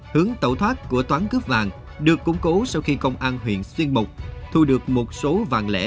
hướng tẩu thoát của toán cướp vàng được củng cố sau khi công an huyện xuyên mục thu được một số vàng lẻ